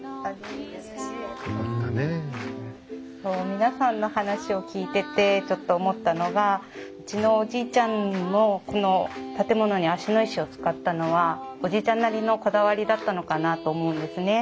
皆さんの話を聞いててちょっと思ったのがうちのおじいちゃんもこの建物に芦野石を使ったのはおじいちゃんなりのこだわりだったのかなと思うんですね。